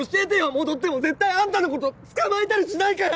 戻っても絶対あんたのこと捕まえたりしないから！